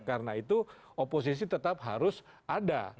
karena itu oposisi tetap harus ada